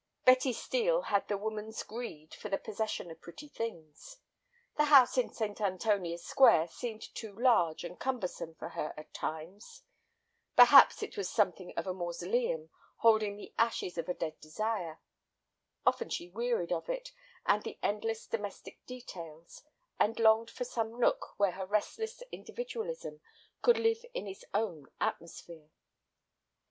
Betty Steel had the woman's greed for the possession of pretty things. The house in St. Antonia's Square seemed too large and cumbersome for her at times. Perhaps it was something of a mausoleum, holding the ashes of a dead desire. Often she wearied of it and the endless domestic details, and longed for some nook where her restless individualism could live in its own atmosphere.